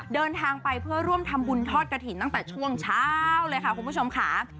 เดินทางไปเพื่อร่วมทำบุญทอดกระถิ่นตั้งแต่ช่วงเช้าเลยค่ะคุณผู้ชมค่ะ